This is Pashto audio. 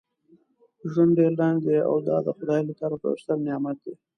ژوند ډیر لنډ دی او دا دخدای له طرفه یو ستر نعمت دی.